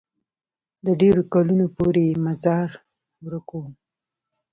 د ډېرو کلونو پورې یې مزار ورک وو.